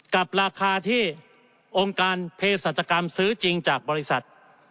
กับราคาที่องค์การเพศรัชกรรมซื้อจริงจากบริษัท